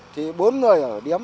thì bốn người ở điếm